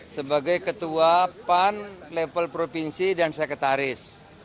sebagai ketua pan level provinsi dan sekretaris